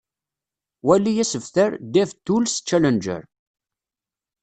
Wali asebter Dev Tools Challenger.